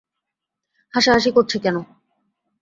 হাসাহাসি করছে কেন?